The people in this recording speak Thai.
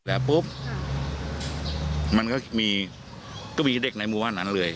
และปุ๊บมันก็กี่เด็กในมว่านั้นเลย